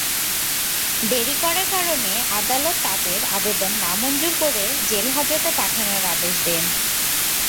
দেরি করার কারণে আদালত তাঁদের আবেদন নামঞ্জুর করে জেলহাজতে পাঠানোর আদেশ দেন।